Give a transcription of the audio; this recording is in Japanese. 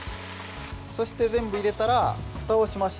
全部入れたら、ふたをします。